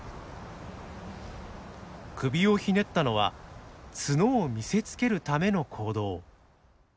首をひねったのは角を見せつけるための行動。